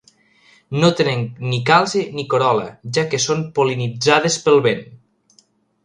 No tenen ni calze ni corol·la, ja que són pol·linitzades pel vent.